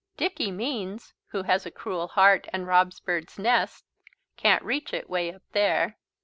Dicky Means, who has a cruel heart and robs birds' nests, can't reach it way up there!"